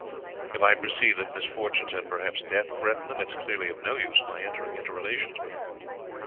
If I perceive that misfortunes and perhaps death threaten them, it is clearly of no use my entering into relations with them.